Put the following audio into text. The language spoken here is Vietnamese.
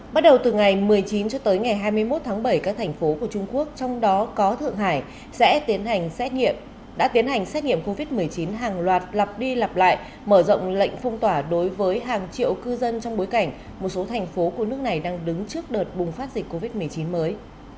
bắt đầu từ ngày một mươi chín cho tới ngày hai mươi một tháng bảy các thành phố của trung quốc trong đó có thượng hải sẽ tiến hành xét nghiệm covid một mươi chín hàng loạt lặp đi lặp lại mở rộng lệnh phong tỏa đối với hàng triệu cư dân trong bối cảnh một số thành phố của nước này đang đứng trước đợt bùng phát dịch covid một mươi chín mới